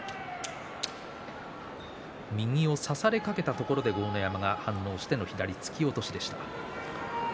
右を差されかけたところで反応して豪ノ山突き落としでした。